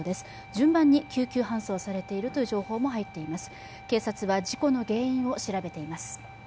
順番に救急搬送されているという情報も入っています。